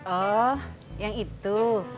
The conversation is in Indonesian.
oh yang itu